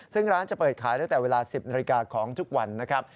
ซึ่งร้านจะเปิดขายตั้งแต่เวลา๑๐นาฬิกาของทุกวันนะครับ